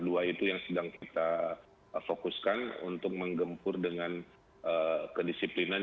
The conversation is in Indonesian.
dua itu yang sedang kita fokuskan untuk menggempur dengan kedisiplinan